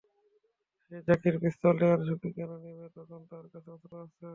সে জ্যাকির পিস্তল নেয়ার ঝুঁকি কেন নেবে যখন তার কাছে অস্ত্র আছে?